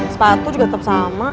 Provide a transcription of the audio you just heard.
sepatu juga tetep sama